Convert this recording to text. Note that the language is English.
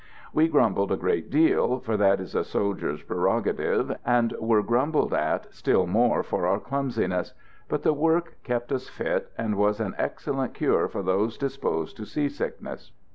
We grumbled a great deal, for that is a soldier's prerogative; and were grumbled at still more for our clumsiness; but the work kept us fit, and was an excellent cure for those disposed to sea sickness.